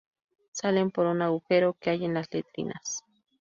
Salen por un agujero que hay en las letrinas.